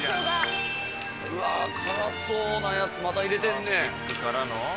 うわ辛そうなやつまた入れてるね。